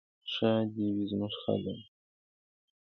ښاد دې وي زموږ خلک.